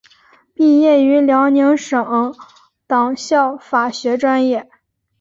毕业于辽宁省委党校法学专业。